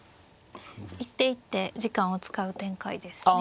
一手一手時間を使う展開ですね。